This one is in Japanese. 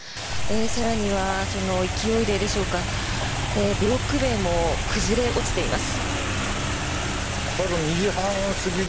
更には、その勢いででしょうかブロック塀も崩れ落ちています。